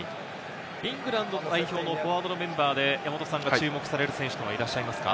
イングランド代表のフォワードのメンバーで山本さんが注目される選手はいらっしゃいますか？